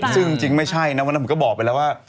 ซึ่งจริงไม่ใช่นะวันนั้นผมก็บอกไปแล้วว่า